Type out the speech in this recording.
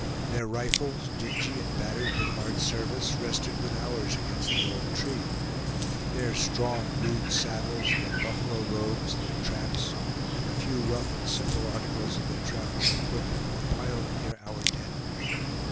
Their rifles, dingy and battered with hard service, rested with ours against the old tree; their strong rude saddles, their buffalo robes, their traps, and the few rough and simple articles of their traveling equipment, were piled near our tent.